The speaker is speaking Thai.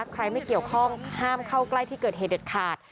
ไม่เกี่ยวข้องห้ามเข้าใกล้ที่เกิดเหตุเด็ดขาด